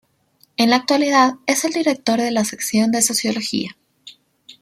En la actualidad es el director de la Sección de Sociología.